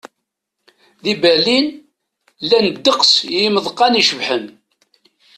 Di Berlin, llan ddeqs n yimeḍqan icebḥen.